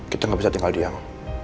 kita nggak bisa tinggal diam